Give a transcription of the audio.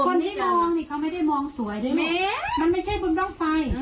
คนที่มองเขาไม่ได้มองสวยด้วยหลอกมันไม่ใช่ปุ่มด้องไฟ